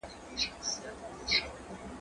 زه کولای سم زده کړه وکړم،